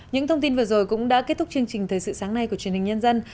những thông tin vừa rồi cũng đã kết thúc chương trình thời sự sáng nay của truyền hình nhân dân